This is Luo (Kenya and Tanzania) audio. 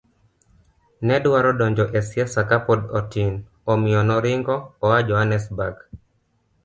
ne dwaro donjo e siasa ka pod otin, omiyo noringo oa Johannesburg.